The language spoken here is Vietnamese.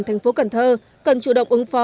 thành phố cần thơ cần chủ động ứng phó